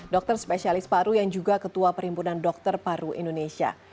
dokter spesialis paru yang juga ketua perhimpunan dokter paru indonesia